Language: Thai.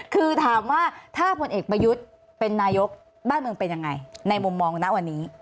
คือถามว่าถ้าบนเอกประยุทธิ์เป็นนาโยคบ้านเมืองเป็นยังไง